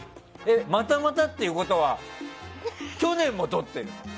またまたっていうことは去年もとってる。